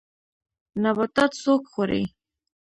نباتات څوک خوري